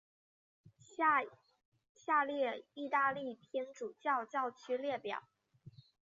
下列意大利天主教教区列表。